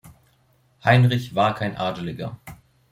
Heinrich war kein Adeliger.